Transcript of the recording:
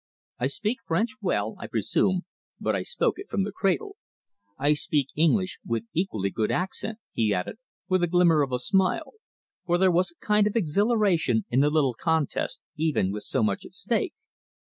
I speak French well, I presume, but I spoke it from the cradle. I speak English with equally good accent," he added, with the glimmer of a smile; for there was a kind of exhilaration in the little contest, even with so much at stake.